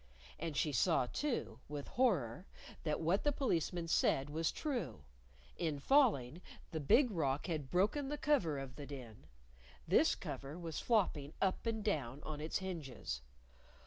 And she saw too with horror that what the Policeman said was true: In falling, the Big Rock had broken the cover of the Den. This cover was flopping up and down on its hinges.